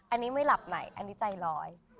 อันนี้ไม่หลับไหนอันนี้ใจร้อย